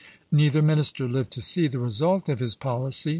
Neither minister lived to see the result of his policy.